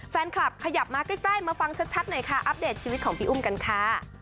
แฟนคลับขยับมาใกล้มาฟังชัดหน่อยค่ะอัปเดตชีวิตของพี่อุ้มกันค่ะ